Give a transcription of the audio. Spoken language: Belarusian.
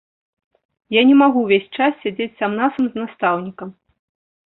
Я не магу ўвесь час сядзець сам-насам з настаўнікам.